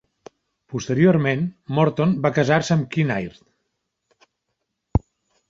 Posteriorment, Morton va casar-se amb Kinnaird.